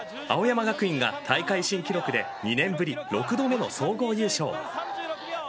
青山学院が大会新記録で２年ぶり６度目の総合優勝。